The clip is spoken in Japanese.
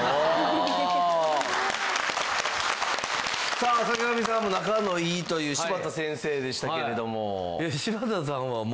さあ坂上さんも仲のいいという柴田先生でしたけれども。